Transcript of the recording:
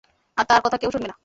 তার কথা কেউ শুনবে না।